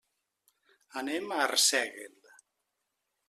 Anem a Arsèguel.